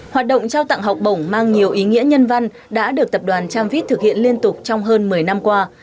hoạt động trao tặng học bổng mang nhiều ý nghĩa nhân văn đã được tập đoàn tramvit thực hiện liên tục trong hơn một mươi năm qua